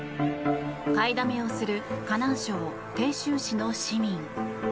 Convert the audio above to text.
買いだめをする河南省鄭州市の市民。